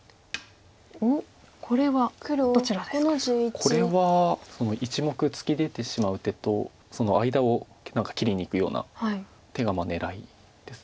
これは１目突き出てしまう手とその間を切りにいくような手が狙いです。